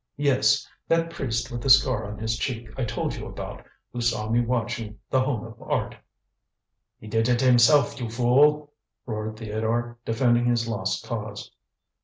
"Yes. That priest with the scar on his cheek I told you about, who saw me watching The Home of Art." "He did it himself, you fool," roared Theodore, defending his lost cause.